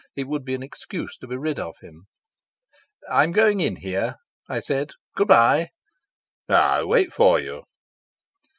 It would be an excuse to be rid of him. "I'm going in here," I said. "Good bye." "I'll wait for you."